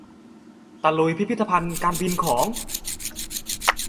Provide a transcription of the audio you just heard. ตะลุยพิพิธภัณฑ์การบินของ